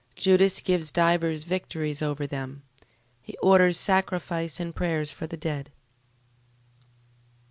Judas gains divers victories over them. He orders sacrifice and prayers for the dead.